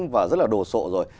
và rất là đồ sộ rồi